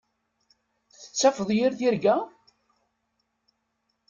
Tettafeḍ yir tirga?